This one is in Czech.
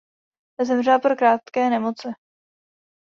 Zemřela po krátké nemoci.